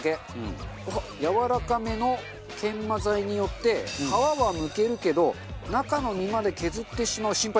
やわらかめの研磨材によって皮はむけるけど中の身まで削ってしまう心配なし。